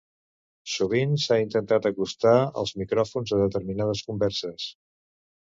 sovint s'han intentat acostar els micròfons a determinades converses